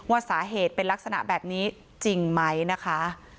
ว่าสาเหตุเป็นลักษณะแบบนี้จริงไหมนะคะ